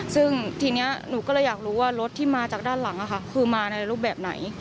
ซึ่งทีนี้หนูก็เลยอยากรู้ว่ารถที่มาจากด้านหลังคือมาในรูปแบบไหน